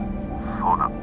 「そうだ」。